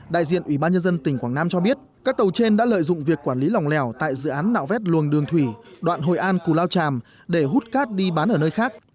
đại diện ủy ban nhân dân tỉnh quảng nam cho biết các tàu trên đã lợi dụng việc quản lý lòng lẻo tại dự án nạo vét luồng đường thủy đoạn hội an cù lao tràm để hút cát đi bán ở nơi khác